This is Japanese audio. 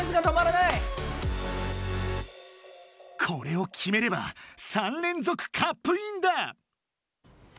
これをきめれば３れんぞくカップインだ。